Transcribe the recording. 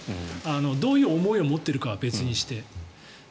どういう思いを持っているかは別にして。